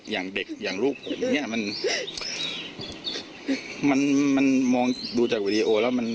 อย่างเด็กอย่างลูกอย่างเนี้ยมันมันมันมองดูจากวีดีโอแล้วมัน